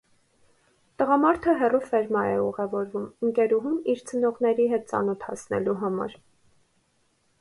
Տղամարդը հեռու ֆերմա է ուղևորվում ընկերուհուն իր ծնողների հետ ծանոթացնելու համար։